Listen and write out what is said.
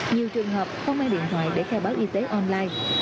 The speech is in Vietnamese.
nhiều trường hợp không mang điện thoại để kheo báo y tế online